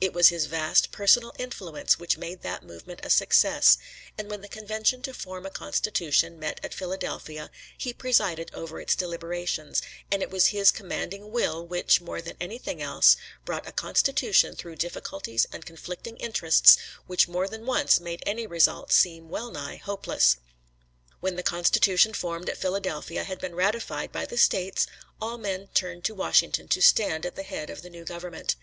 It was his vast personal influence which made that movement a success, and when the convention to form a constitution met at Philadelphia, he presided over its deliberations, and it was his commanding will which, more than anything else, brought a constitution through difficulties and conflicting interests which more than once made any result seem well nigh hopeless. When the Constitution formed at Philadelphia had been ratified by the States, all men turned to Washington to stand at the head of the new government.